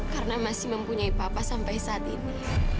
karena masih mempunyai papa sampai saat ini